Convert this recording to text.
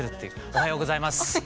おはようございます。